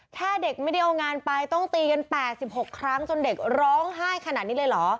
แค่เด็กไม่ได้เอางานไปต้องตีกัน๘๖ครั้งจนเด็กร้องไห้ขนาดนี้เลยเหรอ